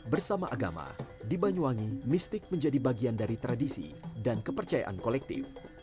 bersama agama di banyuwangi mistik menjadi bagian dari tradisi dan kepercayaan kolektif